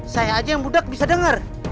saya aja yang budak bisa dengar